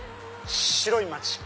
白い街！